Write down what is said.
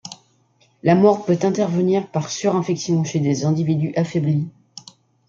La mort peut intervenir par surinfection chez des individus affaiblis.